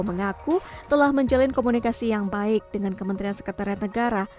mengaku telah menjalin komunikasi yang baik dengan kementerian sekretariat negara